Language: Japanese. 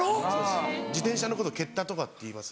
自転車のことケッタとかって言いますよね。